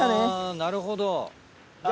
なるほど。